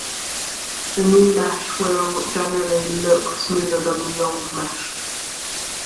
The new mesh will generally look smoother than the old mesh.